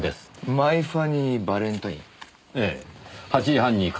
『マイ・ファニー・ヴァレンタイン』？